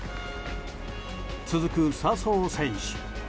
続く笹生選手。